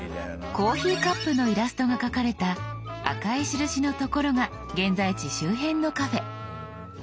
コーヒーカップのイラストが描かれた赤い印の所が現在地周辺のカフェ。